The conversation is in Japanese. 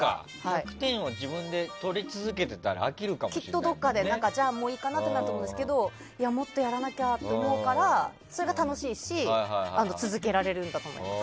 １００点を自分で取り続けてたらきっと、どこかでじゃあ、もういいかなってなると思うんですけどもっとやらなきゃってなるからそれが楽しいし続けられるんだと思います。